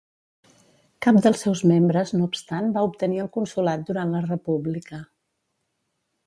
Cap dels seus membres no obstant va obtenir el consolat durant la república.